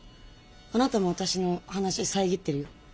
あなたも私の話遮ってるよ。